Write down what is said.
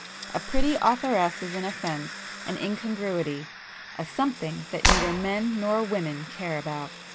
A pretty authoress is an offence,—an incongruity,—a something that neither men nor women care about.